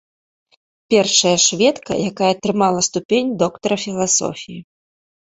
Першая шведка, якая атрымала ступень доктара філасофіі.